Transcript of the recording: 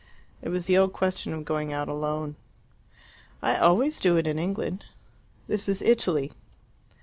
It was the old question of going out alone. "I always do it in England." "This is Italy."